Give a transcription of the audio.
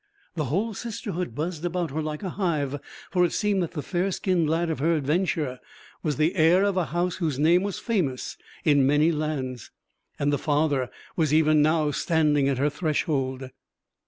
The whole Sisterhood buzzed about her like a hive, for it seemed that the fair skinned lad of her adventure was the heir of a house whose name was famous in many lands, and the father was even now standing at her threshold.